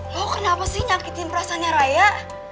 lo kenapa sih nyakitin perasaannya raya